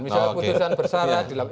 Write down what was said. misalnya putusan bersalah dilaporkan